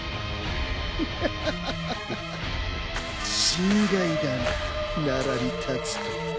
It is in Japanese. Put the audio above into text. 心外だな並び立つとは。